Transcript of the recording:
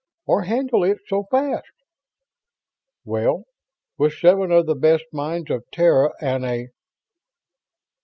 Or handle it so fast." "Well, with seven of the best minds of Terra and a